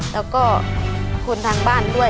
แล้วก็คนทางบ้านด้วย